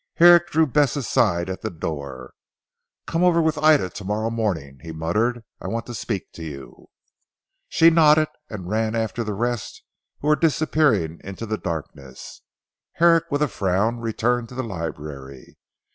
Herrick drew Bess aside at the door. "Come over with Ida to morrow morning," he muttered, "I want to speak to you." She nodded and ran after the rest who were disappearing into the darkness. Herrick with a frown returned to the library.